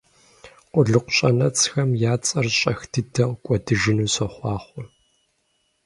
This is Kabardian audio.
Къулыкъу щӀэнэцӀхэм я цӀэр щӀэх дыдэ кӀуэдыжыну сохъуахъуэ!